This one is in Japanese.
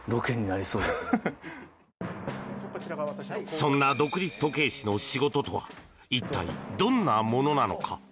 そんな独立時計師の仕事とは一体どんなものなのか？